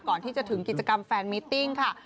ก่อนที่จะถึงกิจกรรมแฟนมิตติ้งค่ะ